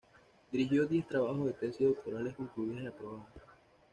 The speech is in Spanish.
Dirigió diez trabajos de tesis doctorales concluidas y aprobadas.